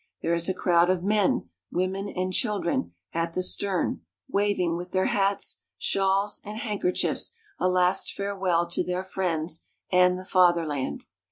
There is a crowd of men, women, and children at the stern, wav ing with their hats, shawls, and hand kerchiefs a last fare well to their friends and the Fatherland.